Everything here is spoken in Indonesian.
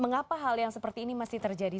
mengapa hal yang seperti ini masih terjadi